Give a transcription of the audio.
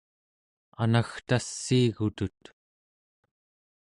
anagtassiigutut